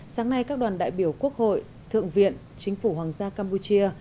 sáng nay các đoàn đại biểu quốc hội thượng viện chính phủ hoàng gia campuchia